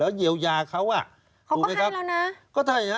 แล้วเยียวยาเขาอ่ะเขาก็ให้เรานะ